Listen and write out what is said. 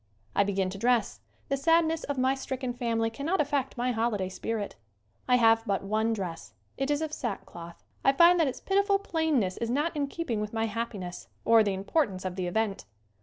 I begin to dress. The sadness of my stricken family cannot affect my holiday spirit. I have but one dress. It is of sack cloth. I find that its pitiful plainness is not in keeping with my happiness or the importance of the event.